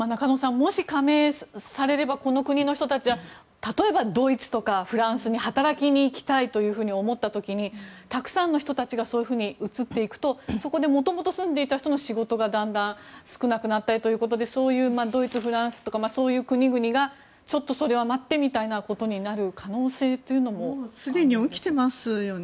もし加盟されればこの国の人たちは例えばドイツやフランスに働きに行きたいと思った時にたくさんの人たちがそういうふうに移っていくともともと住んでいる人たちの仕事が少なくなっていくということでそういうドイツ、フランスとかそういう国々がちょっとそれは待ってみたいなことになる可能性というのもありますよね。